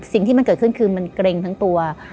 สิ่งที่มันเกิดขึ้นคือมันเกร็งทั้งตัว